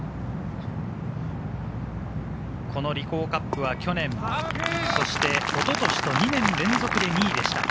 リコーカップは去年、そして一昨年と２年連続で２位でした。